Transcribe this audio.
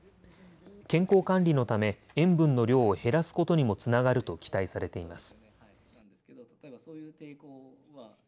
健康管理のため塩分の量を減らすことにもつながると期待されています。